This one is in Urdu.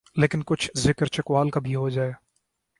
لیکن کچھ ذکر چکوال کا بھی ہو جائے۔